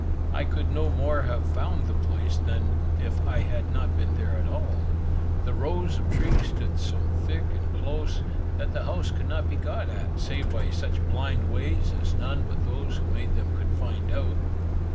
I could no more have found the place, than if I had not been there at all. The rows of trees stood so thick and close, that the house could not be got at, save by such blind ways as none but those who made them could find out.